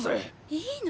いいの？